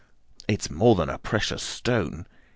"It's more than a precious stone.